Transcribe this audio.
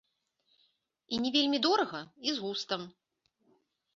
І не вельмі дорага, і з густам.